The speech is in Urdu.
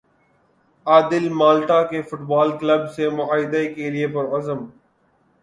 عادل مالٹا کے فٹبال کلب سے معاہدے کے لیے پرعزم